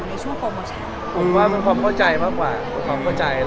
มันเรียกว่าเป็นความเข้าใจกันหรือว่าอยู่ในช่วงโฟโมชัน